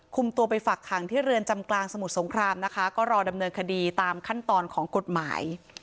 ตัวไปฝักขังที่เรือนจำกลางสมุทรสงครามนะคะก็รอดำเนินคดีตามขั้นตอนของกฎหมาย